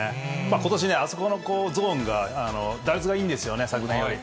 ことし、あそこのゾーンが打率がいいんですよね、昨年より。